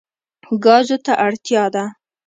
ګازو ته اړتیا ده.